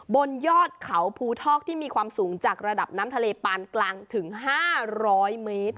บนยอดเขาภูทอกที่มีความสูงจากระดับน้ำทะเลปานกลางถึง๕๐๐เมตร